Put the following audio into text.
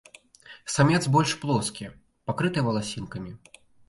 Самец больш плоскі, пакрыты валасінкамі.